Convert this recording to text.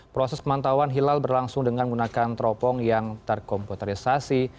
proses pemantauan hilal berlangsung dengan menggunakan teropong yang terkomputerisasi